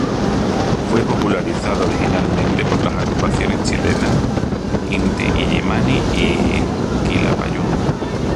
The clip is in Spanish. Fue popularizada originalmente por las agrupaciones chilenas Inti-Illimani y Quilapayún.